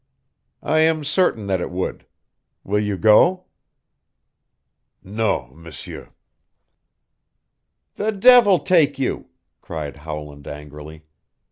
"I am certain that it would. Will you go?" "Non, M'seur." "The devil take you!" cried Howland angrily.